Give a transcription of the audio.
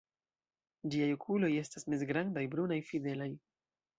Ĝiaj okuloj estas mezgrandaj, brunaj, fidelaj.